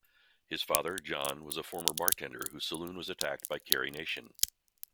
His father, John, was a former bartender whose saloon was attacked by Carrie Nation.